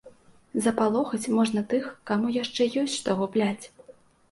Запалохаць можна тых, каму яшчэ ёсць што губляць.